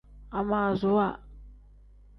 Amaasuwa.